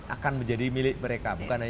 akan menjadi milik mereka bukan hanya